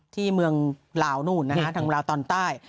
ที่เมืองลาวนู่นนะฮะทางลาวตอนใต้